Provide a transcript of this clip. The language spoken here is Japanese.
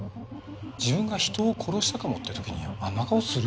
自分が人を殺したかもって時にあんな顔する？